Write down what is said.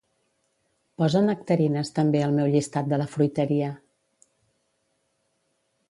Posa nectarines també al meu llistat de la fruiteria.